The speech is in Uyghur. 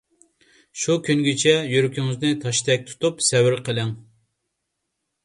شۇ كۈنگىچە يۈرىكىڭىزنى تاشتەك تۇتۇپ سەۋر قىلىڭ!